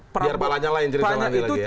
biar pak lanyala yang cerita lagi